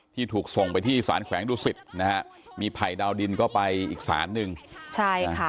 ที่ถูกส่งไปที่สารแขวงดุสิตนะฮะมีภัยดาวดินก็ไปอีกศาลหนึ่งใช่นะคะ